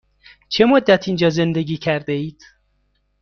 چه مدت اینجا زندگی کرده اید؟